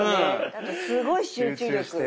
あとすごい集中力が。